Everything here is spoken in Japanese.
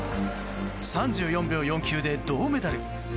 ３４秒４９で銅メダル。